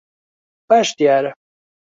باش دیارە.